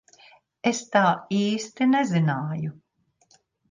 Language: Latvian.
Es tā īsti nezināju.